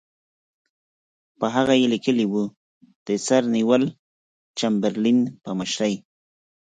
په هغه کې یې لیکلي وو چې د سر نیویل چمبرلین په مشرۍ.